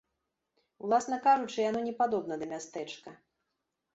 Уласна кажучы, яно не падобна да мястэчка.